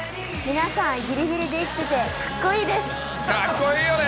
皆さん、ぎりぎりで生きててかっこいいよね。